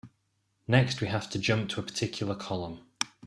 Next, we have to jump to a particular column.